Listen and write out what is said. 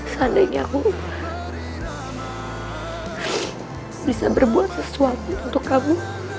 seandainya aku bisa berbuat sesuatu untuk kamu